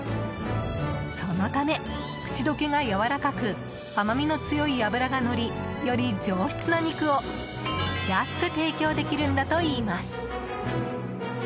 そのため、口溶けがやわらかく甘みの強い脂がのりより上質な肉を安く提供できるんだといいます。